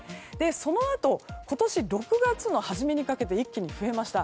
そのあと、今年６月の初めにかけて一気に増えました。